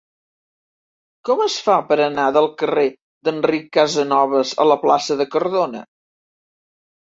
Com es fa per anar del carrer d'Enric Casanovas a la plaça de Cardona?